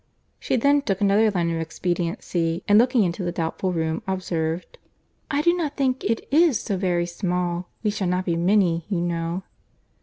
She then took another line of expediency, and looking into the doubtful room, observed, "I do not think it is so very small. We shall not be many, you know."